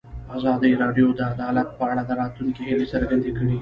ازادي راډیو د عدالت په اړه د راتلونکي هیلې څرګندې کړې.